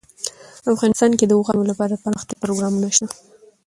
افغانستان کې د اوښانو لپاره دپرمختیا پروګرامونه شته.